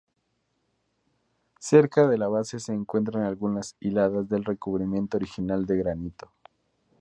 Cerca de la base se encuentran algunas hiladas del recubrimiento original de granito.